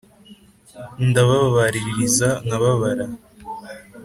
Ndababaririza nkababara